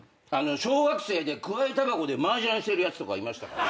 小学生でくわえたばこでマージャンしてるやつとかいましたから。